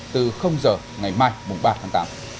từ giờ ngày mai ba tháng tám